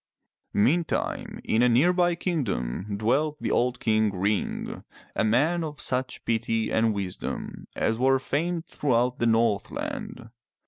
Meantime, in a nearby kingdom dwelt the old King Ring, a man of such piety and wisdom as were famed throughout the Northland.